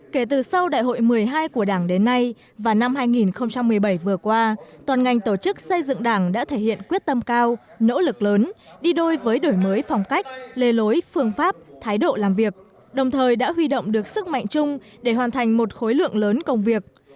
kể từ sau đại hội một mươi hai của đảng đến nay và năm hai nghìn một mươi bảy vừa qua toàn ngành tổ chức xây dựng đảng đã thể hiện quyết tâm cao nỗ lực lớn đi đôi với đổi mới phong cách lề lối phương pháp thái độ làm việc đồng thời đã huy động được sức mạnh chung để hoàn thành một khối lượng lớn công việc